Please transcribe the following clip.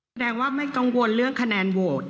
แสดงว่าไม่กังวลเรื่องคะแนนโหวต